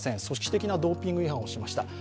組織的なドーピング違反をしました。